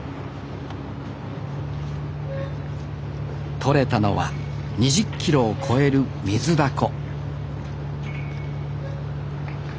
取れたのは２０キロを超えるミズダコ